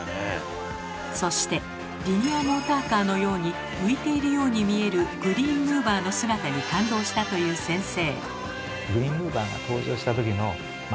そしてリニアモーターカーのように浮いているように見えるグリーンムーバーの姿に感動したという先生。